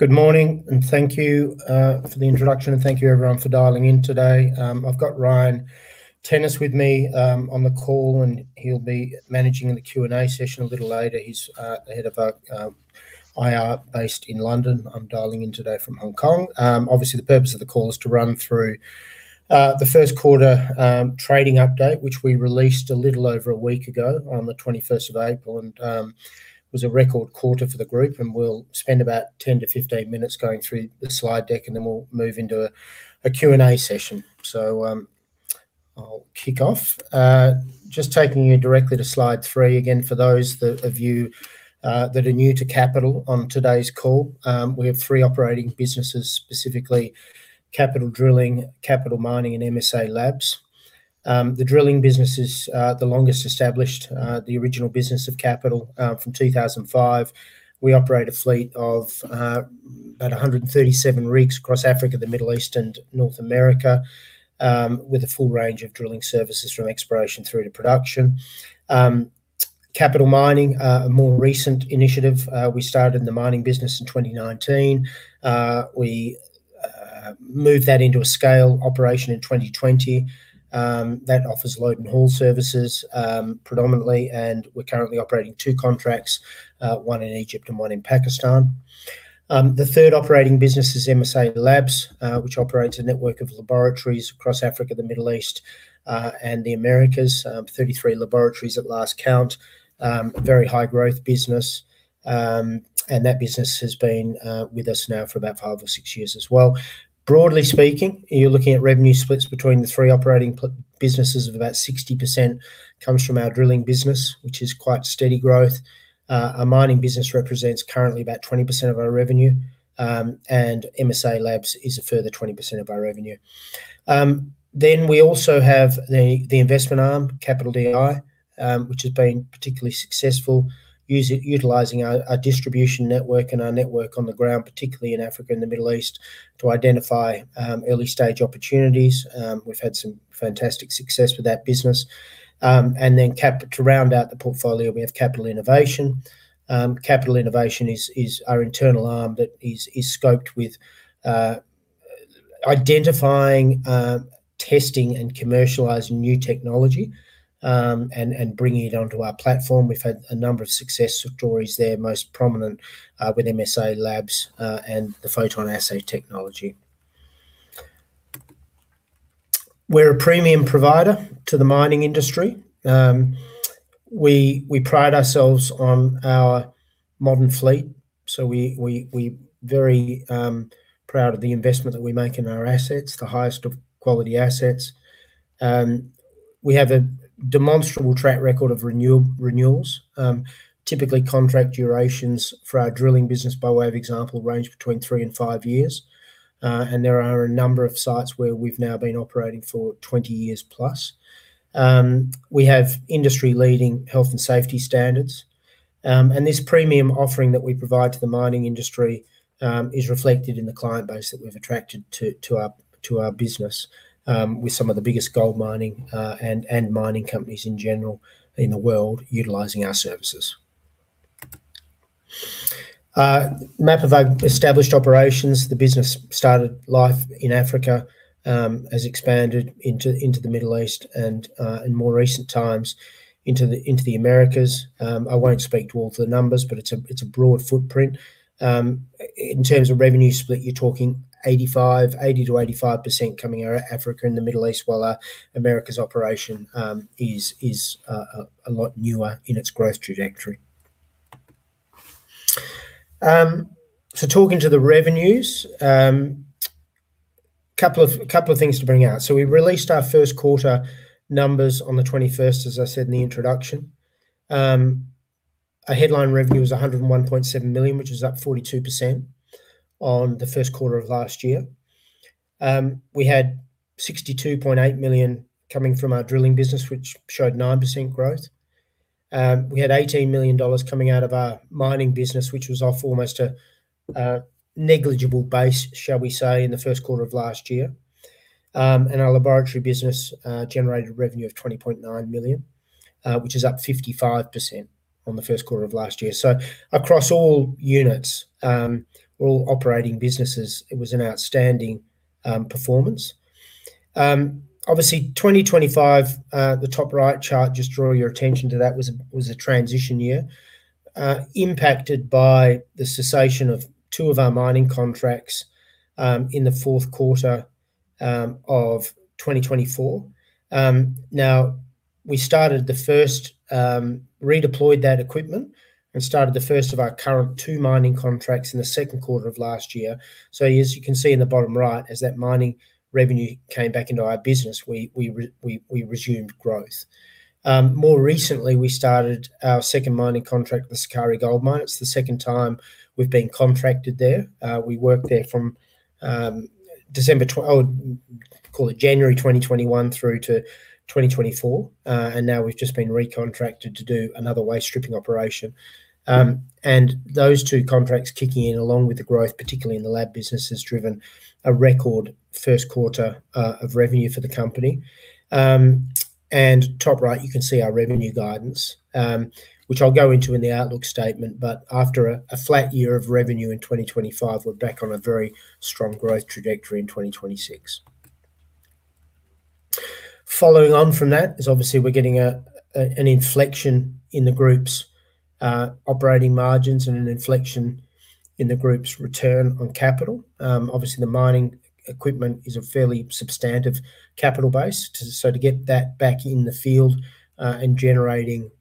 Good morning and thank you for the introduction. Thank you everyone for dialing in today. I've got Ryan Tennis with me on the call. He'll be managing the Q&A session a little later. He's the Head of our IR based in London. I'm dialing in today from Hong Kong. Obviously, the purpose of the call is to run through the first quarter trading update, which we released a little over a week ago on the 21st of April. It was a record quarter for the group. We'll spend about 10 minutes-15 minutes going through the slide deck. We'll move into a Q&A session. I'll kick off. Just taking you directly to slide three, again, for those that of you that are new to Capital on today's call, we have three operating businesses, specifically Capital Drilling, Capital Mining and MSALABS. The drilling business is the longest established, the original business of Capital, from 2005. We operate a fleet of about 137 rigs across Africa, the Middle East and North America, with a full range of drilling services from exploration through to production. Capital Mining are a more recent initiative. We started the mining business in 2019. We moved that into a scale operation in 2020 that offers load and haul services predominantly, and we're currently operating two contracts, one in Egypt and one in Pakistan. The third operating business is MSALABS, which operates a network of laboratories across Africa, the Middle East, and the Americas. 33 laboratories at last count. A very high growth business. And that business has been with us now for about five years or six years as well. Broadly speaking, you're looking at revenue splits between the three operating businesses of about 60% comes from our drilling business, which is quite steady growth. Our mining business represents currently about 20% of our revenue, and MSALABS is a further 20% of our revenue. We also have the investment arm, Capital DI, which has been particularly successful utilizing our distribution network and our network on the ground, particularly in Africa and the Middle East, to identify early stage opportunities. We've had some fantastic success with that business. Then to round out the portfolio, we have Capital Innovation. Capital Innovation is our internal arm that is scoped with identifying, testing and commercializing new technology, and bringing it onto our platform. We've had a number of success stories there, most prominent with MSALABS, and the PhotonAssay technology. We're a premium provider to the mining industry. We pride ourselves on our modern fleet, we very proud of the investment that we make in our assets, the highest of quality assets. We have a demonstrable track record of renewals. Typically, contract durations for our drilling business, by way of example, range between three years and five years. There are a number of sites where we've now been operating for 20+ years. We have industry-leading health and safety standards. This premium offering that we provide to the mining industry is reflected in the client base that we've attracted to our business with some of the biggest gold mining and mining companies in general in the world utilizing our services. Map of our established operations. The business started life in Africa, has expanded into the Middle East and in more recent times into the Americas. I won't speak to all the numbers, but it's a broad footprint. In terms of revenue split, you're talking 85%, 80%-85% coming out of Africa and the Middle East, while our America's operation is a lot newer in its growth trajectory. Talking to the revenues, couple of things to bring out. We released our first quarter numbers on the 21st, as I said in the introduction. Our headline revenue was $101.7 million, which was up 42% on the first quarter of last year. We had $62.8 million coming from our drilling business, which showed 9% growth. We had $18 million coming out of our mining business, which was off almost a negligible base, shall we say, in the first quarter of last year. Our laboratory business generated revenue of $20.9 million, which is up 55% on the first quarter of last year. Across all units, all operating businesses, it was an outstanding performance. Obviously 2025, the top right chart, just draw your attention to that, was a transition year, impacted by the cessation of two of our mining contracts in the fourth quarter of 2024. Now we started the first, redeployed that equipment and started the first of our current two mining contracts in the second quarter of last year. As you can see in the bottom right, as that mining revenue came back into our business, we resumed growth. More recently, we started our second mining contract with the Sukari Gold Mine. It's the second time we've been contracted there. We worked there from January 2021 through to 2024. Now we've just been recontracted to do another waste stripping operation. Those two contracts kicking in along with the growth, particularly in the lab business, has driven a record first quarter of revenue for the company. Top right, you can see our revenue guidance, which I'll go into in the outlook statement. After a flat year of revenue in 2025, we're back on a very strong growth trajectory in 2026. Following on from that is obviously we're getting an inflection in the group's operating margins and an inflection in the group's return on capital. Obviously, the mining equipment is a fairly substantive capital base. To get that back in the field, and generating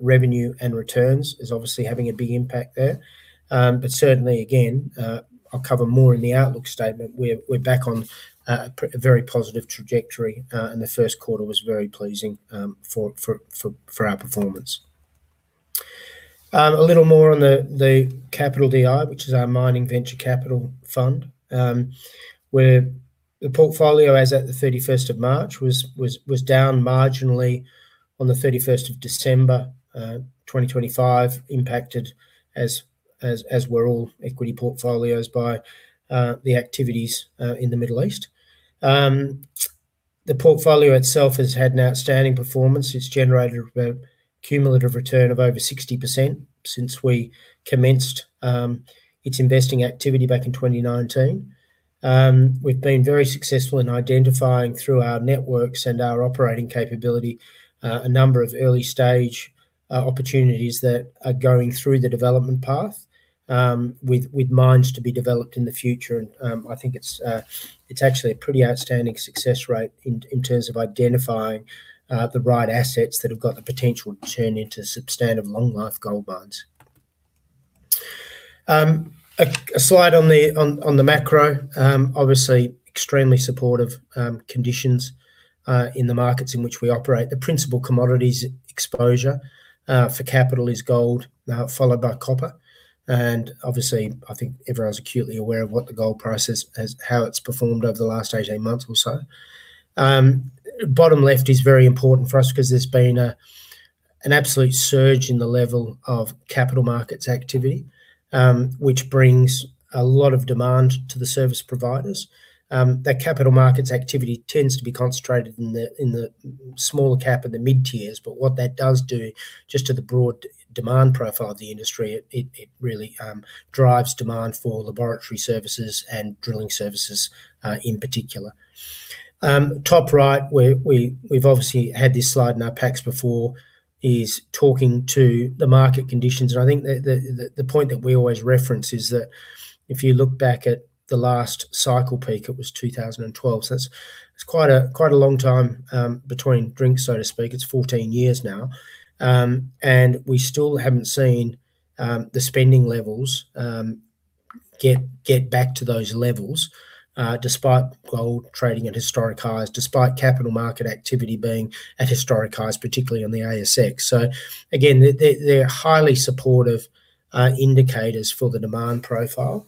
revenue and returns is obviously having a big impact there. Certainly again, I'll cover more in the outlook statement. We're back on a very positive trajectory, and the first quarter was very pleasing for our performance. A little more on the Capital DI, which is our mining venture capital fund, where the portfolio, as at the 31st of March, was down marginally on the 31st of December 2025, impacted as were all equity portfolios by the activities in the Middle East. The portfolio itself has had an outstanding performance. It's generated a cumulative return of over 60% since we commenced its investing activity back in 2019. We've been very successful in identifying, through our networks and our operating capability, a number of early-stage opportunities that are going through the development path, with mines to be developed in the future. I think it's actually a pretty outstanding success rate in terms of identifying the right assets that have got the potential to turn into substantive long-life gold mines. A slide on the macro, obviously extremely supportive conditions in the markets in which we operate. The principal commodities exposure for Capital is gold, followed by copper. Obviously, I think everyone's acutely aware of what the gold price has, how it's performed over the last 18 months or so. Bottom left is very important for us because there's been an absolute surge in the level of capital markets activity, which brings a lot of demand to the service providers. That capital markets activity tends to be concentrated in the smaller cap and the mid-tiers, what that does do just to the broad demand profile of the industry, it really drives demand for laboratory services and drilling services in particular. Top right, we've obviously had this slide in our packs before, is talking to the market conditions. I think the point that we always reference is that if you look back at the last cycle peak, it was 2012. That's quite a long time between drinks, so to speak. It's 14 years now. We still haven't seen the spending levels get back to those levels despite gold trading at historic highs, despite capital market activity being at historic highs, particularly on the ASX. Again, they're highly supportive indicators for the demand profile.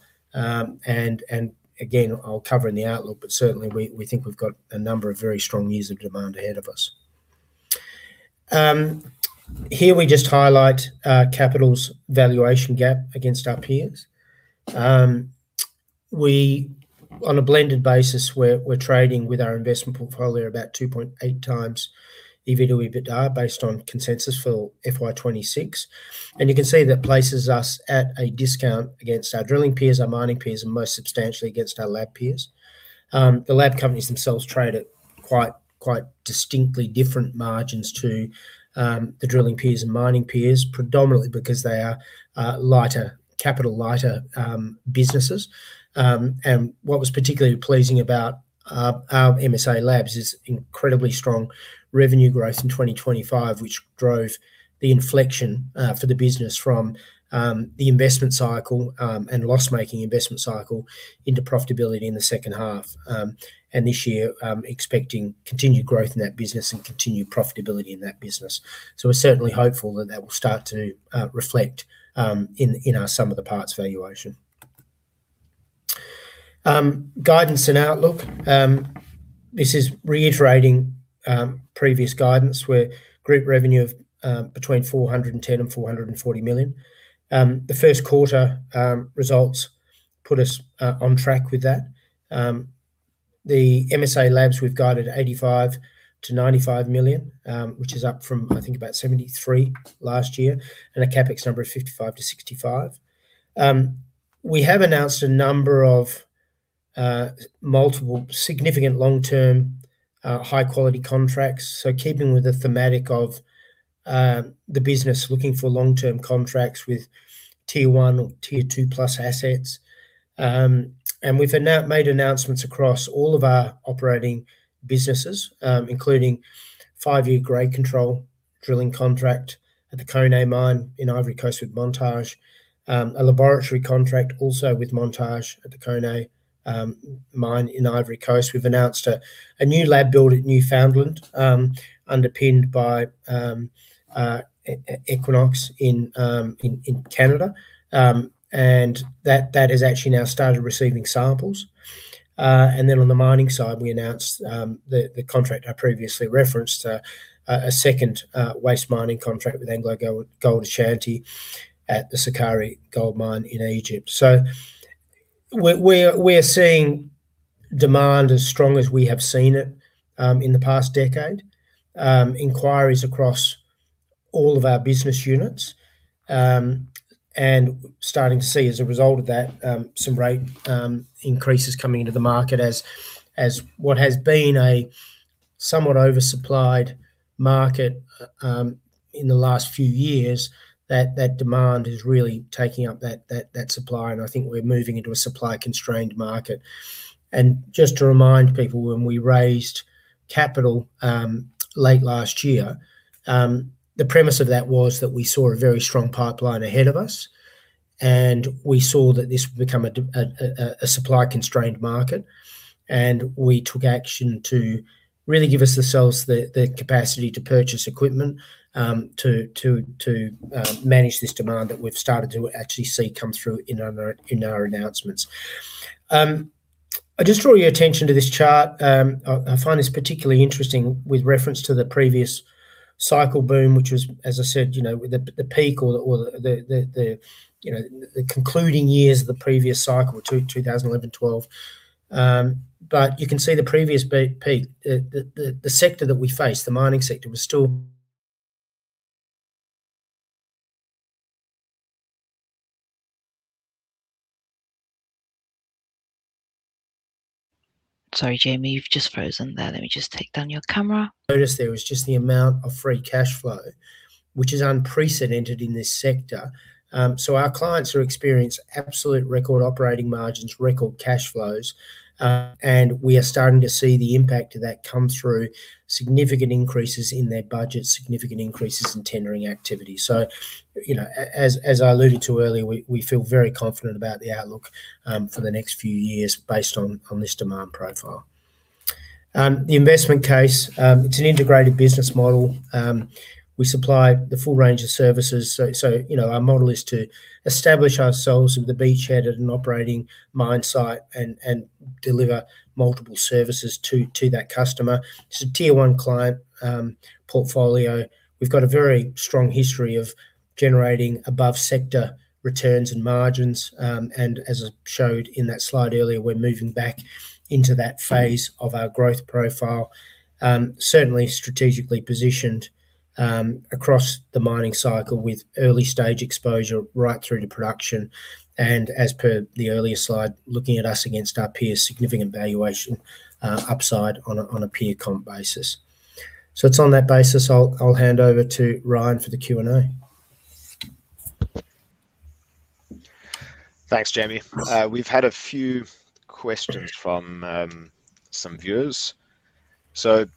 Again, I'll cover in the outlook, but certainly we think we've got a number of very strong years of demand ahead of us. Here we just highlight Capital's valuation gap against our peers. On a blended basis, we're trading with our investment portfolio about 2.8 times EV/EBITDA based on consensus for FY 2026. You can see that places us at a discount against our drilling peers, our mining peers, and most substantially against our lab peers. The lab companies themselves trade at quite distinctly different margins to the drilling peers and mining peers, predominantly because they are lighter, capital lighter businesses. What was particularly pleasing about our MSALABS is incredibly strong revenue growth in 2025, which drove the inflection for the business from the investment cycle and loss-making investment cycle into profitability in the second half. This year, expecting continued growth in that business and continued profitability in that business. We're certainly hopeful that that will start to reflect in our sum of the parts valuation. Guidance and outlook. This is reiterating previous guidance where group revenue of between $410 million and $440 million. The first quarter results put us on track with that. The MSALABS, we've guided $85 million-$95 million, which is up from, I think, about $73 million last year, and a CapEx number of $55 million-$65 million. We have announced a number of multiple significant long-term high-quality contracts, keeping with the thematic of the business looking for long-term contracts with Tier 1 or Tier 2+ assets. And we've made announcements across all of our operating businesses, including five-year grade control drilling contract at the Koné Mine in Côte d'Ivoire with Montage, a laboratory contract also with Montage at the Koné Mine in Côte d'Ivoire. We've announced a new lab build at Newfoundland, underpinned by Equinox in Canada. And that has actually now started receiving samples. On the mining side, we announced the contract I previously referenced, a second waste mining contract with AngloGold Ashanti at the Sukari Gold Mine in Egypt. We're seeing demand as strong as we have seen it in the past decade. Inquiries across all of our business units. Starting to see, as a result of that, some rate increases coming into the market as what has been a somewhat oversupplied market in the last few years, that demand is really taking up that supply, and I think we're moving into a supply constrained market. Just to remind people, when we raised capital late last year, the premise of that was that we saw a very strong pipeline ahead of us, and we saw that this would become a supply constrained market and we took action to really give us the sales, the capacity to purchase equipment, to manage this demand that we've started to actually see come through in our, in our announcements. I just draw your attention to this chart. I find this particularly interesting with reference to the previous cycle boom, which was, as I said, you know, with the peak or the concluding years of the previous cycle, 2011-2012. You can see the previous peak, the sector that we face, the mining sector, was still. Sorry, Jamie, you've just frozen there. Let me just take down your camera.... notice there was just the amount of free cashflow, which is unprecedented in this sector. Our clients are experiencing absolute record operating margins, record cash flows, and we are starting to see the impact of that come through significant increases in their budget, significant increases in tendering activity. You know, as I alluded to earlier, we feel very confident about the outlook for the next few years based on this demand profile. The investment case, it's an integrated business model. We supply the full range of services. You know, our model is to establish ourselves with a beachhead at an operating mine site and deliver multiple services to that customer. It's a Tier 1 client portfolio. We've got a very strong history of generating above sector returns and margins. As I showed in that slide earlier, we're moving back into that phase of our growth profile. Certainly strategically positioned across the mining cycle with early stage exposure right through to production, and as per the earlier slide, looking at us against our peers, significant valuation upside on a peer comp basis. It's on that basis I'll hand over to Ryan for the Q&A. Thanks, Jamie. We've had a few questions from some viewers. Could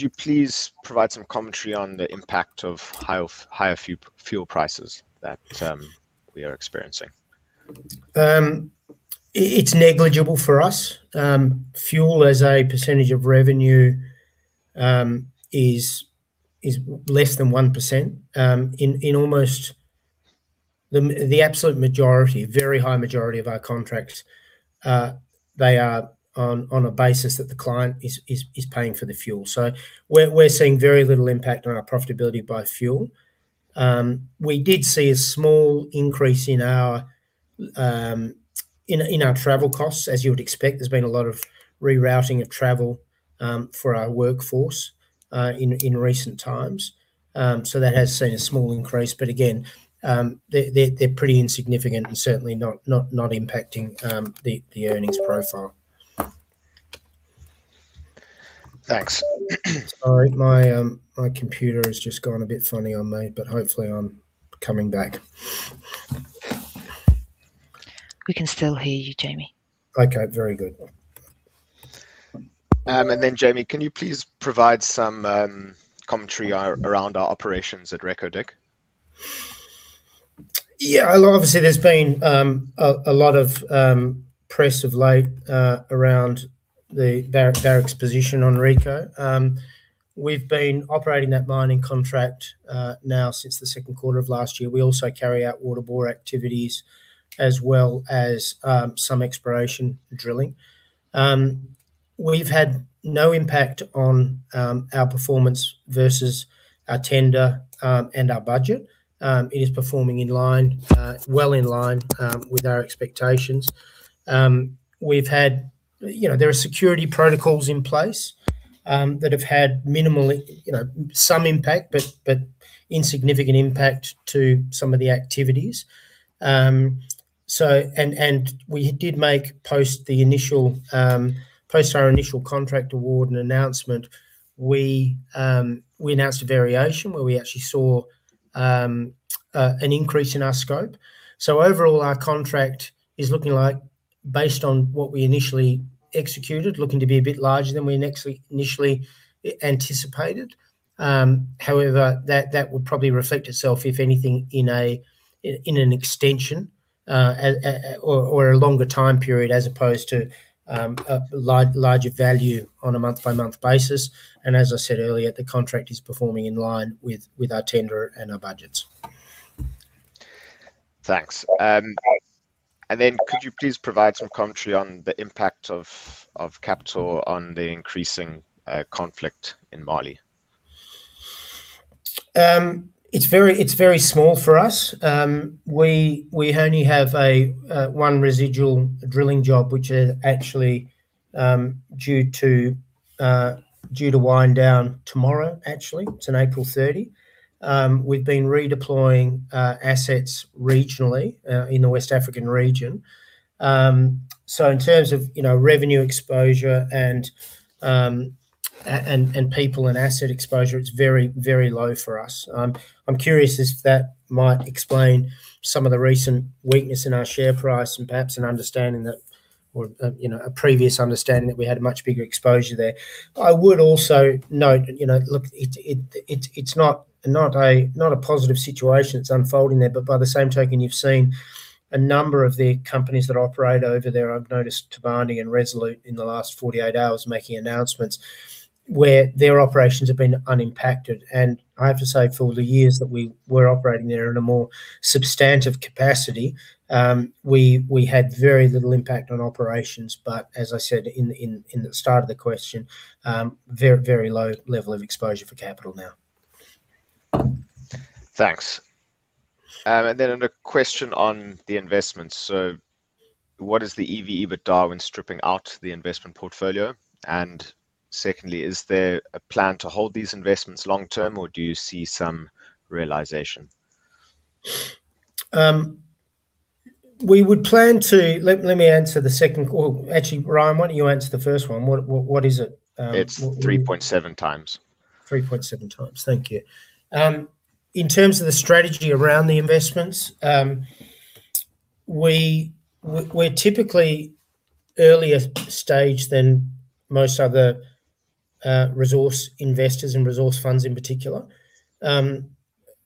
you please provide some commentary on the impact of higher fuel prices that we are experiencing? It's negligible for us. Fuel as a percentage of revenue is less than 1%. In almost the absolute majority, very high majority of our contracts, they are on a basis that the client is paying for the fuel. We're seeing very little impact on our profitability by fuel. We did see a small increase in our travel costs. As you would expect, there's been a lot of rerouting of travel for our workforce in recent times. That has seen a small increase, but again, they're pretty insignificant and certainly not impacting the earnings profile. Thanks. Sorry, my computer has just gone a bit funny on me, but hopefully I'm coming back. We can still hear you, Jamie. Okay. Very good. Jamie, can you please provide some commentary around our operations at Reko Diq? Well, obviously there's been a lot of press of late around Barrick's position on Reko Diq. We've been operating that mining contract now since the second quarter of last year. We also carry out water bore activities as well as some exploration drilling. We've had no impact on our performance versus our tender and our budget. It is performing in line, well in line, with our expectations. You know, there are security protocols in place that have had minimally, you know, some impact, but insignificant impact to some of the activities. We did make, post the initial, post our initial contract award and announcement, we announced a variation where we actually saw an increase in our scope. Overall, our contract is looking like, based on what we initially executed, looking to be a bit larger than we initially anticipated. However, that will probably reflect itself, if anything, in an extension or a longer time period as opposed to a larger value on a month by month basis. As I said earlier, the contract is performing in line with our tenderer and our budgets. Thanks. Could you please provide some commentary on the impact of Capital on the increasing conflict in Mali? It's very small for us. We only have a one residual drilling job, which is actually due to wind down tomorrow actually. It's on April 30. We've been redeploying assets regionally in the West African region. In terms of, you know, revenue exposure and people and asset exposure, it's very, very low for us. I'm curious as to if that might explain some of the recent weakness in our share price and perhaps an understanding that, or, you know, a previous understanding that we had a much bigger exposure there. I would also note, you know, look, it's not a positive situation that's unfolding there, but by the same token, you've seen a number of the companies that operate over there, I've noticed Toubani Resources and Resolute Mining in the last 48 hours making announcements, where their operations have been unimpacted. I have to say for the years that we were operating there in a more substantive capacity, we had very little impact on operations. As I said in the start of the question, very low level of exposure for Capital now. Thanks. Another question on the investments. What is the EV/EBITDA when stripping out the investment portfolio? Secondly, is there a plan to hold these investments long-term, or do you see some realization? Let me answer the second. actually, Ryan, why don't you answer the first one. What, what is it? It's 3.7 times. 3.7 times. Thank you. In terms of the strategy around the investments, we're typically earlier stage than most other resource investors and resource funds in particular.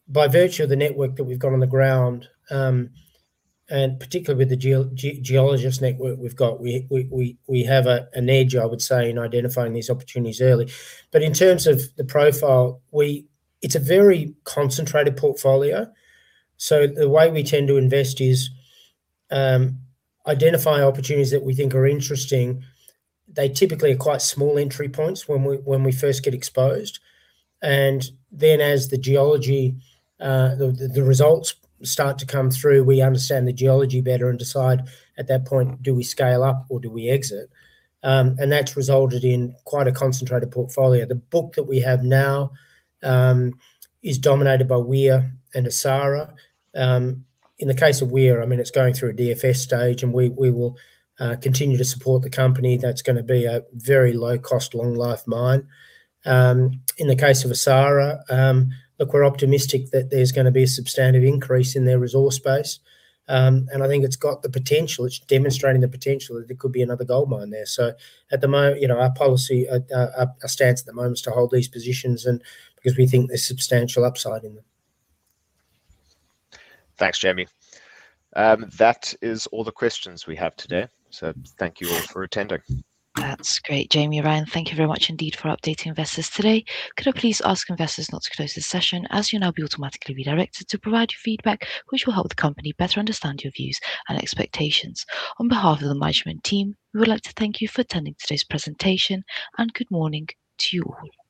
By virtue of the network that we've got on the ground, and particularly with the geologists network we've got, we have an edge, I would say, in identifying these opportunities early. In terms of the profile, it's a very concentrated portfolio. The way we tend to invest is, identify opportunities that we think are interesting. They typically are quite small entry points when we first get exposed. As the geology, the results start to come through, we understand the geology better and decide at that point, do we scale up or do we exit? That's resulted in quite a concentrated portfolio. The book that we have now is dominated by Wia and Asara. In the case of Wia, I mean, it's going through a DFS stage, and we will continue to support the company. That's gonna be a very low-cost, long-life mine. In the case of Asara, look, we're optimistic that there's gonna be a substantive increase in their resource base. I think it's got the potential, it's demonstrating the potential that there could be another goldmine there. At the moment, you know, our policy, our stance at the moment is to hold these positions and because we think there's substantial upside in them. Thanks, Jamie. That is all the questions we have today. Thank you all for attending. That's great. Jamie, Ryan, thank you very much indeed for updating investors today. Could I please ask investors not to close this session, as you'll now be automatically redirected to provide your feedback, which will help the company better understand your views and expectations. On behalf of the management team, we would like to thank you for attending today's presentation, and good morning to you all. Thank you.